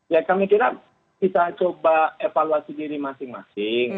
ya kami kira kita coba evaluasi diri masing masing